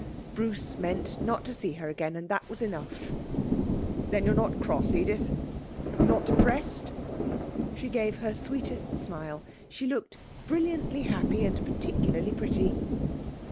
Bruce meant not to see her again, and that was enough. 'Then you're not cross, Edith not depressed?' She gave her sweetest smile. She looked brilliantly happy and particularly pretty.